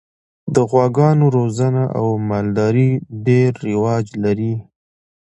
د غواګانو روزنه او مالداري ډېر رواج لري.